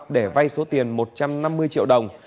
để vay số tiền một trăm năm mươi triệu đồng